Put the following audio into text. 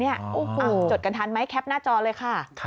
โอ้โหจดกันทันไหมแคปหน้าจอเลยค่ะ